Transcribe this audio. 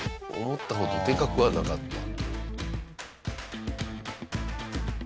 思ったほどでかくはなかった。